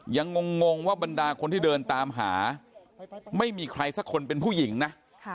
งงว่าบรรดาคนที่เดินตามหาไม่มีใครสักคนเป็นผู้หญิงนะ